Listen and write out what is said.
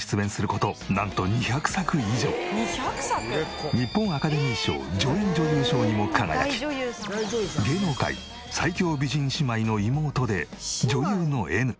これまで日本アカデミー賞助演女優賞にも輝き芸能界最強美人姉妹の妹で女優のＮ。